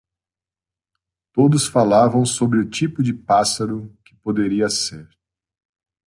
Todos falavam sobre o tipo de pássaro que poderia ser.